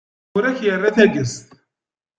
Ur ak-irra ara tagest.